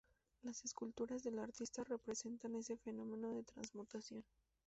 Las esculturas del artista representan ese fenómeno de transmutación.